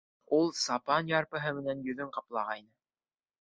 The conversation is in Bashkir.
Ул сапан ярпыһы менән йөҙөн ҡаплағайны.